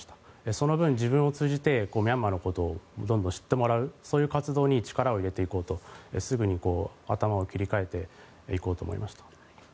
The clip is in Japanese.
その分、自分を通じてミャンマーのことをどんどん知ってもらうそういう活動に力を入れていこうとすぐに頭を切り替えていこうと思いました。